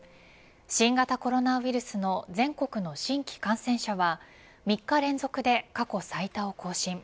新型コロナウイルスの全国の新規感染者は３日連続で過去最多を更新。